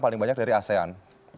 paling banyak dari asean